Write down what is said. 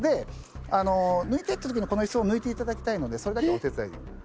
抜いてって言った時にこの椅子を抜いていただきたいのでそれだけお手伝い。